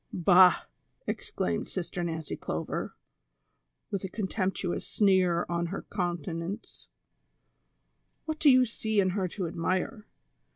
" Bah !" exclaimed Sister N'ancy Clover, with a con temptuous sneer on her countenance, " wliat do you see in her to admire